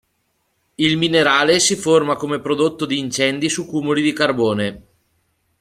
Il minerale si forma come prodotto di incendi su cumuli di carbone.